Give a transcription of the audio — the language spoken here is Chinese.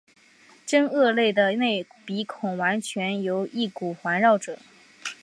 真鳄类的内鼻孔完全由翼骨环绕者。